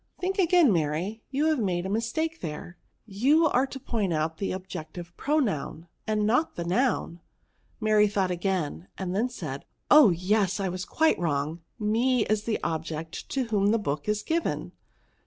'* Think again, Mary, you have made a mistake there ; you are to point out the ob jective pronoun, and not the noun." Mary thought again, and then said, " Oh ! yes, I was quite wrong. Me is the object to whom the book is given.